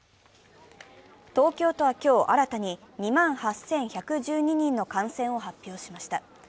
東京都は今日、新たに２万８１１２人の感染を発表しました。